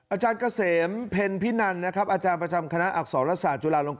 อาจารย์เกษมเพ็ญพินันอาจารย์ประจำคณะอักษรรัศาจุฬานรงค์